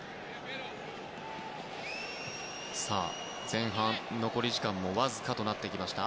前半残り時間もわずかとなりました。